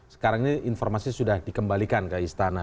sekarang ini informasi sudah dikembalikan ke istana